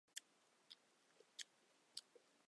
清朝及中华民国学者。